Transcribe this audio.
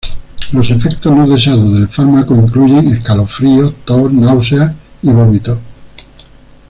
Los efectos no deseados del fármaco incluyen escalofríos, tos, náuseas y vómitos.